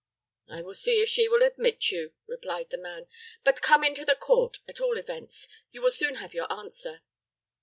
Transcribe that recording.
"I will see if she will admit you," replied the man; "but come into the court, at all events. You will soon have your answer."